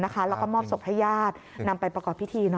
แล้วก็มอบศพให้ญาตินำไปประกอบพิธี